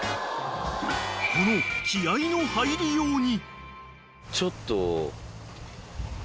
［この気合の入りように］